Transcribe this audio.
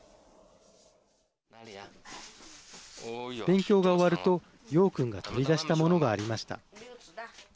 勉強が終わると楊君が取り出したものがありました。